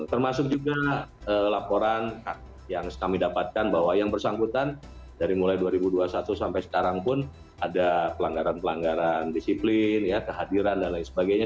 termasuk juga laporan yang kami dapatkan bahwa yang bersangkutan dari mulai dua ribu dua puluh satu sampai sekarang pun ada pelanggaran pelanggaran disiplin kehadiran dan lain sebagainya